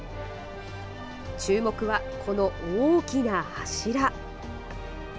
注目は、この大きな柱。